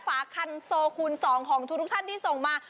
ฝาคันโซคุณสองของทุกทุกท่านที่ส่งมา